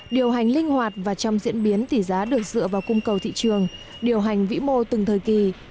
điều hành linh hoạt và trong diễn biến tỷ giá được dựa vào cung cầu thị trường điều hành vĩ mô từng thời kỳ